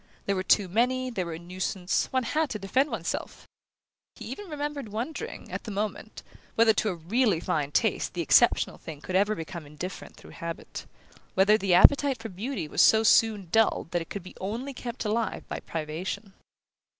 There were too many, they were a nuisance, one had to defend one's self! He even remembered wondering, at the moment, whether to a really fine taste the exceptional thing could ever become indifferent through habit; whether the appetite for beauty was so soon dulled that it could be kept alive only by privation.